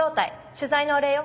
取材のお礼よ。